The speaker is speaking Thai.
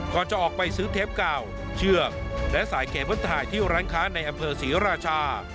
ก่อนจะออกไปซื้อเทปเก่าเชือกและสายเคเบิ้ลไทยที่ร้านค้าในอำเภอศรีราชา